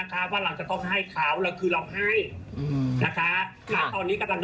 จริงนะอยากจะให้นักอีวิตจิตวิทยานะคะ